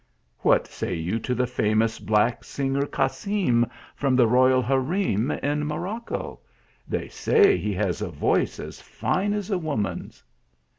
" What say you to the famous black singer, Casern, from the royal harem in Morocco. They say he has a voice as fine as a woman s."